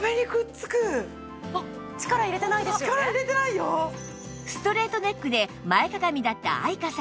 さらにストレートネックで前かがみだった愛華さん